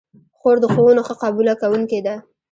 خور د ښوونو ښه قبوله کوونکې ده.